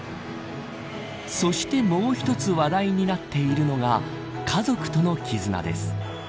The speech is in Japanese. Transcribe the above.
そして、もう一つ話題になっているのが家族との絆です。